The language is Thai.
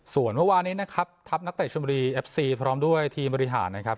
ส่วนเมื่อวานี้นะครับทัพนักเตะชมบุรีเอฟซีพร้อมด้วยทีมบริหารนะครับ